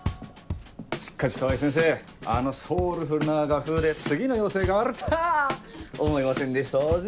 しっかし川合先生あのソウルフルな画風で次の要請があるたぁ思いませんでしたぜぇ。